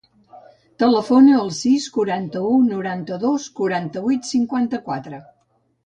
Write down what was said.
Telefona al sis, quaranta-u, noranta-dos, quaranta-vuit, cinquanta-quatre.